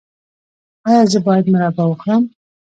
ایا زه باید مربا وخورم؟